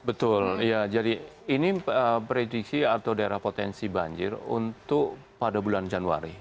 betul ya jadi ini prediksi atau daerah potensi banjir untuk pada bulan januari